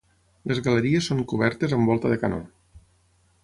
Les galeries són cobertes amb volta de canó.